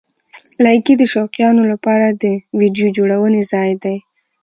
لایکي د شوقیانو لپاره د ویډیو جوړونې ځای دی.